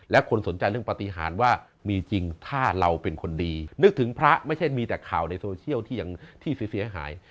และคนสนใจเรื่องปฏิหารว่ามีจริงถ้าเราเป็นคนดีนึกถึงพระไม่ใช่มีแต่ข่าวในโซเชียลที่เสียหาย